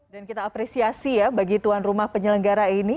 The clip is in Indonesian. dan kita apresiasi ya bagi tuan rumah penyelenggara ini